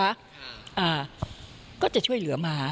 อ่าก็จะช่วยเหลือมา